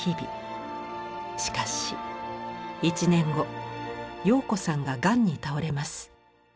しかし１年後陽子さんががんに倒れます。